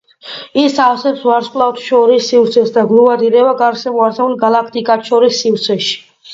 ის ავსებს ვარსკვლავთშორის სივრცეს და გლუვად ირევა გარშემო არსებულ გალაქტიკათშორის სივრცეში.